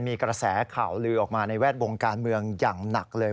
มีกระแสข่าวลือออกมาในแวดวงการเมืองอย่างหนักเลย